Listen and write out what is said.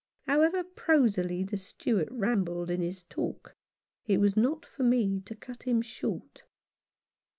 However prosily the steward rambled in his talk, it was not for me to cut him short.